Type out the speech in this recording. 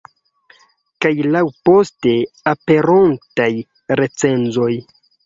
Kaj laŭ poste aperontaj recenzoj.